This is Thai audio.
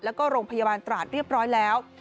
แล้วก็โรงพยาบาลตราดเรียบร้อยแล้ว